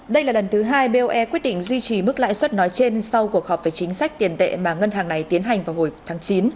đây là lần thứ hai boe quyết định duy trì mức lãi suất nói trên sau cuộc họp về chính sách tiền tệ mà ngân hàng này tiến hành vào hồi tháng chín